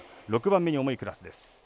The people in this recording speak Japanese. ６番目に重いクラスです。